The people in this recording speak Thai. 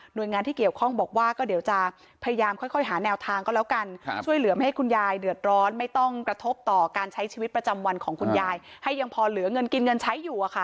โดยงานที่เกี่ยวข้องบอกว่าก็เดี๋ยวจะพยายามค่อยหาแนวทางก็แล้วกันช่วยเหลือไม่ให้คุณยายเดือดร้อนไม่ต้องกระทบต่อการใช้ชีวิตประจำวันของคุณยายให้ยังพอเหลือเงินกินเงินใช้อยู่อะค่ะ